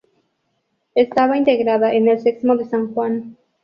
Estaba integrada en el Sexmo de San Juan.